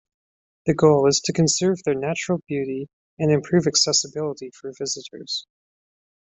The goal is to conserve their natural beauty and improve accessibility for visitors.